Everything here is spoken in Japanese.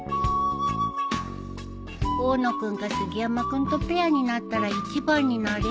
大野君か杉山君とペアになったら１番になれるかもな